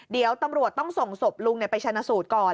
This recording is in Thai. เดี๋ยวตำรวจต้องส่งศพลุงไปชนะสูตรก่อน